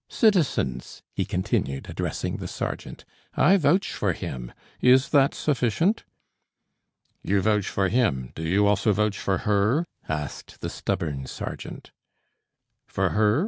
Citizens," he continued, addressing the sergeant, "I vouch for him. Is that sufficient?" "You vouch for him. Do you also vouch for her?" asked the stubborn sergeant. "For her?